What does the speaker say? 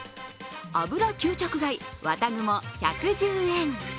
油吸着材わたぐも１１０円。